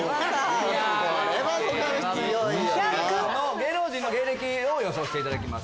芸能人の芸歴を予想していただきます。